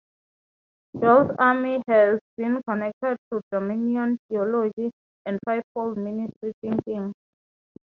Joel's Army has been connected to Dominion Theology and Fivefold ministry thinking.